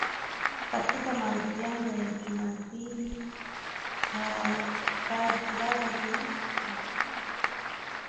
Katika mahojiano ya Jumapili Fadzayi Mahere